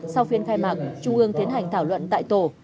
sau phiên khai mạc trung ương tiến hành thảo luận tại tổ